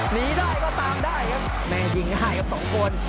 หนีได้ก็ตามได้ครับแม่งยิงให้๒คน